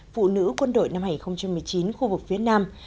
phụ nữ quân đội năm hai nghìn một mươi chín khu vực phía nam